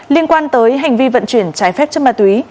liên quan tới hành vi vận chuyển trái phép chất ma túy